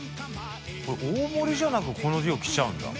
これ大盛りじゃなくこの量来ちゃうんだ。